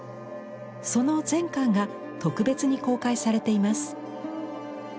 その全巻が特別に公開されています。